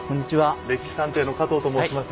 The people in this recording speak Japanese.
「歴史探偵」の加藤と申します。